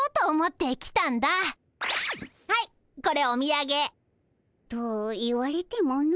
はいこれおみやげ。と言われてもの。